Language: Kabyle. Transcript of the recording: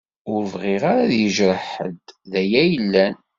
Ur bɣiɣ ara ad yejreḥ ḥedd, d aya i yellan.